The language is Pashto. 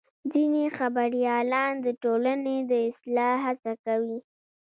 ځینې خبریالان د ټولنې د اصلاح هڅه کوي.